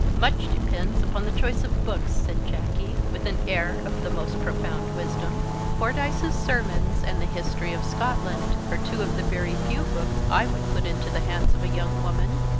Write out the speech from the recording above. "Much depends upon the choice of books," said Jacky, with an air of the most profound wisdom, "Fordyce's Sermons and the History of Scotland are two of the very few books I would put into the hands of a young woman.